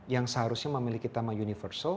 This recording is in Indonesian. yang seharusnya memiliki tema universal